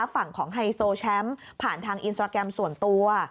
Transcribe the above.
ฝั่งของไฮโซแชมป์ผ่านทางอินสตราแกรมส่วนตัว